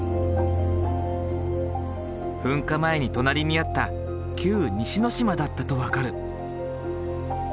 噴火前に隣りにあった旧・西之島だったと分かる。